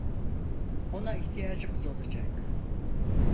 Ona ihtiyacımız olacak.